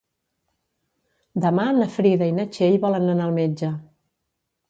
Demà na Frida i na Txell volen anar al metge.